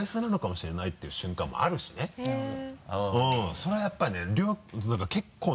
それはやっぱりね結構ね